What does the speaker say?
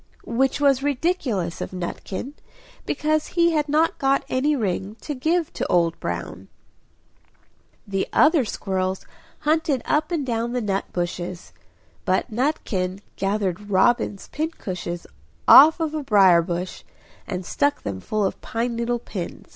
Which was ridiculous of Nutkin, because he had not got any ring to give to Old Brown. The other squirrels hunted up and down the nut bushes; but Nutkin gathered robin's pincushions off a briar bush, and stuck them full of pine needle pins.